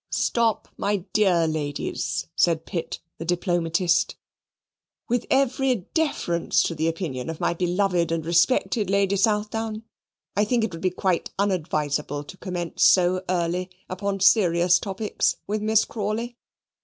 "Stop, my dear ladies," said Pitt, the diplomatist. "With every deference to the opinion of my beloved and respected Lady Southdown, I think it would be quite unadvisable to commence so early upon serious topics with Miss Crawley.